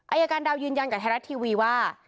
อายการดาวยืนยันกับธรรมดาวทีวีว่า